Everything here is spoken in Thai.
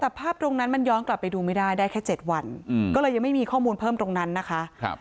แต่ภาพตรงนั้นมันย้อนกลับไปดูไม่ได้ได้แค่๗วันก็เลยยังไม่มีข้อมูลเพิ่มตรงนั้นนะคะ